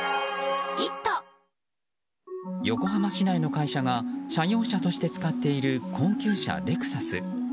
横浜市内の会社が社用車として使っている高級車レクサス。